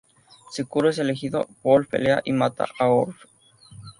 Si Kuro es elegido, Wolf pelea y mata a Owl.